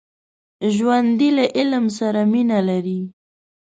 ژوندي له علم سره مینه لري